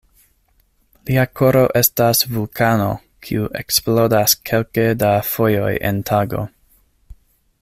Lia koro estas vulkano, kiu eksplodas kelke da fojoj en tago.